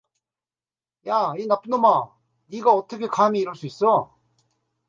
야 이 나쁜 놈아, 네가 어떻게 감히 이럴 수 있어?